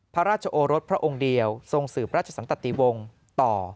พระราชโอรสพระองค์เดียวทรงสืบราชสันตติวงศ์ต่อ